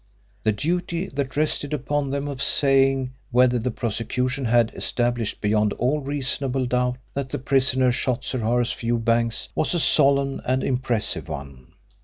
The duty that rested upon them of saying whether the prosecution had established beyond all reasonable doubt that the prisoner shot Sir Horace Fewbanks was a solemn and impressive one.